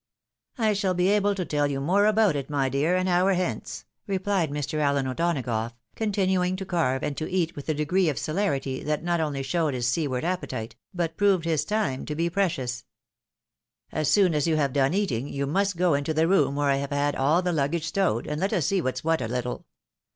*' I shall be able to tell you more about it, my dear, an hour hence," replied Mr. Allen O'Donagougli, continuing to carve and to eat with a degree of celerity tliat not only showed his seaward appetite, but proved his time to be precious. " As soon as you have done eating, you must go into the room where I have had all the luggage stowed, and let us see what's what a little.